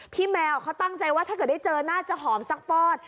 แมวเขาตั้งใจว่าถ้าเกิดได้เจอน่าจะหอมซักฟอด